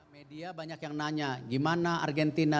media banyak yang nanya gimana argentina